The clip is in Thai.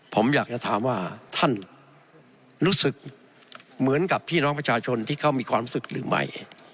ผมอยากจะถามว่าท่านรู้สึกเหมือนกับพี่น้องประชาชนที่เขามีความรู้สึกหรือไม่